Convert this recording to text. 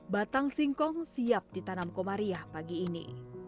batang singkong siap ditanam komariah pagi ini